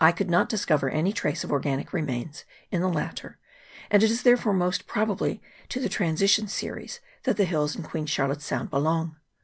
I could not discover any trace of organic remains in the latter, and it is therefore most probably to the transition series that the hills in Queen Char lotte's Sound belong.